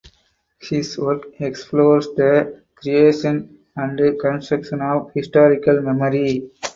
His work explores the creation and construction of historical memory.